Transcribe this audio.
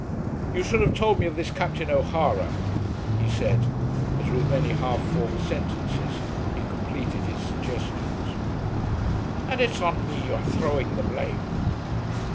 "You should have told me of this Captain O'Hara," he said, as with many half formed sentences he completed his suggestions. "And it's on me you are throwing the blame?"